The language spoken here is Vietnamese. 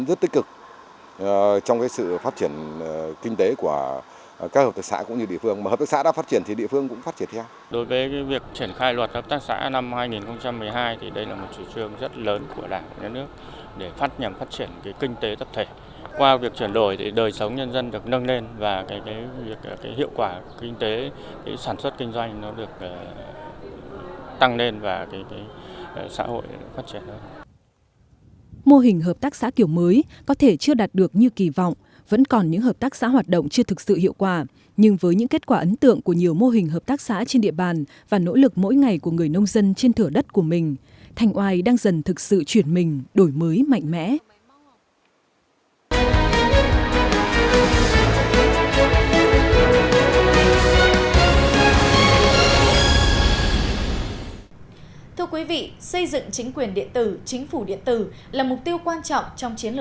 mô hình hợp tác xã kiểu mới có thể chưa đạt được như kỳ vọng vẫn còn những hợp tác xã hoạt động chưa thực sự hiệu quả nhưng với những kết quả ấn tượng của nhiều mô hình hợp tác xã trên địa bàn và nỗ lực mỗi ngày của người nông dân trên thửa đất của mình thanh oai đang dần thực sự chuyển mình đổi mới mạnh mẽ